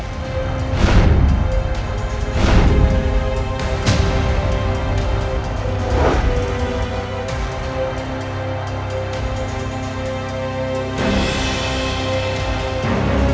pasti kau aham